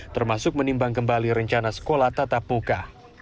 termasuk menimbang kembali rencana sekolah tatap muka